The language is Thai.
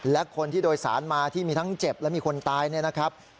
และคนที่โดยสารมาที่มีทั้งเจ็บและมีคนตายเนี่ยนะครับ